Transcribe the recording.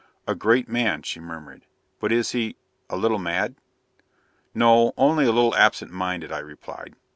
"A great man," she murmured, "but is he a little mad?" "No, only a little absent minded," I replied.